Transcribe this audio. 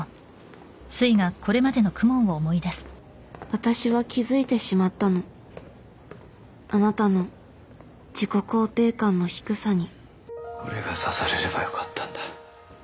私は気づいてしまったのあなたの自己肯定感の低さに俺が刺されればよかったんだ